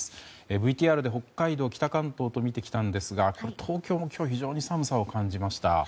ＶＴＲで北海道、北関東と見てきたんですが、東京も今日非常に寒さを感じました。